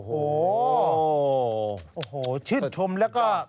โอ้โฮชื่นชมแล้วก็